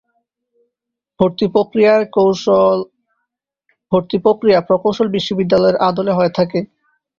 ভর্তি প্রক্রিয়া প্রকৌশল বিশ্ববিদ্যালয়ের আদলে হয়ে থাকে।